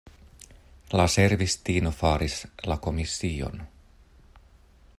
La servistino faris la komision.